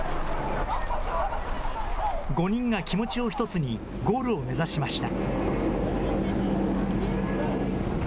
５人が気持ちを一つにゴールを目指しました。